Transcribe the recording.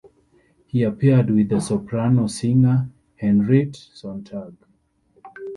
He appeared with a soprano singer Henriette Sontag.